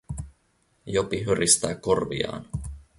Jopi höristää korviaan.